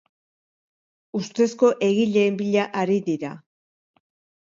Ustezko egileen bila ari dira.